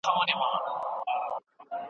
سوله په پوهه او منطق کي نغښتې ده.